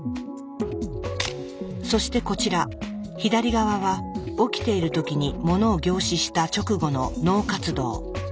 そしてこちら左側は起きている時にものを凝視した直後の脳活動。